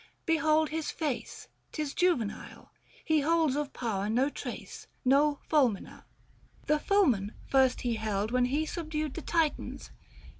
Behold his face, 'Tis juvenile ; he holds of power no trace — No Fulmina. The Fulmen first he held When he subdued the Titans.